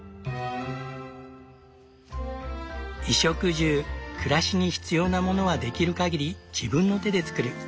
衣食住暮らしに必要なものはできるかぎり自分の手で作る。